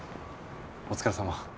お疲れさま。